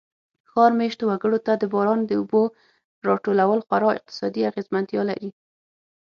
ښار مېشتو وګړو ته د باران د اوبو را ټول خورا اقتصادي اغېزمنتیا لري.